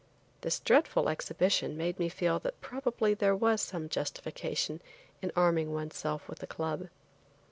This dreadful exhibition made me feel that probably there was some justification in arming one's self with a club.